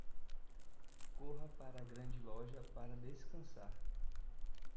Corra para a grande loja para descansar